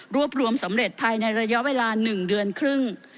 รวมสำเร็จภายในระยะเวลา๑เดือนครึ่ง